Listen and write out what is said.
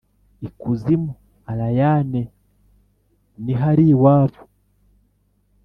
i kuzimu, allayne ni hari iwabo: